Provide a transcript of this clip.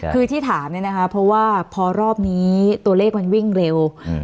คือที่ถามเนี่ยนะคะเพราะว่าพอรอบนี้ตัวเลขมันวิ่งเร็วอืม